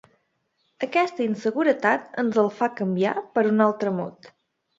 Aquesta inseguretat ens el fa canviar per un altre mot.